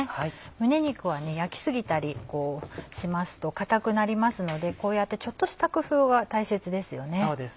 胸肉は焼き過ぎたりしますと硬くなりますのでこうやってちょっとした工夫が大切ですよね。